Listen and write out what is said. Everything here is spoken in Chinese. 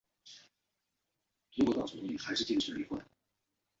分子结为一种类似绳结的。